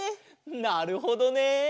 なるほどね。